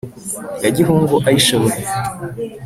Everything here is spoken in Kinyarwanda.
ya gihungu ayishoboye,